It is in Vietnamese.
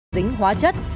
dính hóa chất